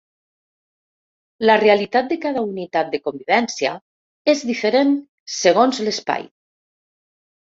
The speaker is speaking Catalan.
La realitat de cada unitat de convivència és diferent segons l’espai.